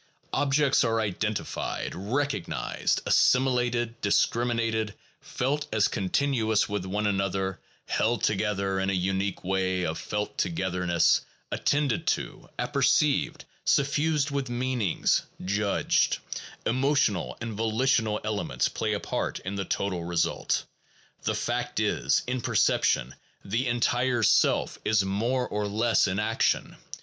Objects are identified, recognized, assimilated, discriminated, felt as continuous with one another, held together in a unique way of felt togetherness, attended to, apperceived, suffused with meanings, judged; emotional and volitional elements play a part in the total result. The fact is, in perception the entire self is more or less in action.